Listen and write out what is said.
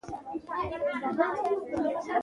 هغه پر ځان باور کول ښيي.